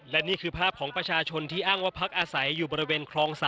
และนี่คือภาพของประชาชนที่อ้างว่าพักอาศัยอยู่บริเวณคลอง๓